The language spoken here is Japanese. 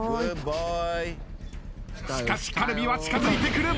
しかしカルビは近づいてくる。